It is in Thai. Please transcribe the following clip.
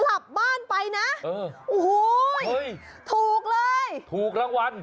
กลับบ้านไปนะโอ้โหถูกเลยถูกรางวัล